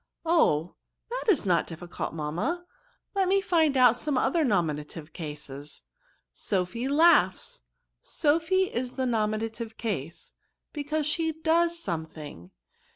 ''*^ Oh ! that is not difficult, mamma ; let me find out some other nominative cases. Sophy laughs ; Sophy is the nominative case, because she does something.